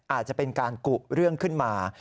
อาจจะเป็นการกุเรื่องขึ้นมา